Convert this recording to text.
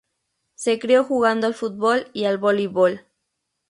Se crio jugando al fútbol y al voleibol.